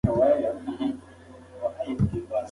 تاسي کولای شئ په دې سیند کې لامبو ووهئ.